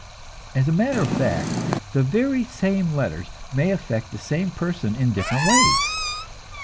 As a matter of fact, the very same letters may affect the same person in different ways.